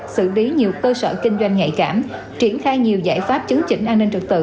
xử lý nhiều cơ sở kinh doanh nhạy cảm triển khai nhiều giải pháp chứng chỉnh an ninh trật tự